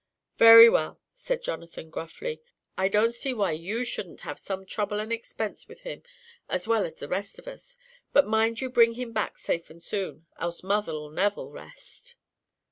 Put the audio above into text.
"Very well," said Jonathan, gruffly. "I don't see why you shouldn't have some trouble and expense with him as well as the rest of us. But mind you bring him back safe and soon, else mother'll never rest."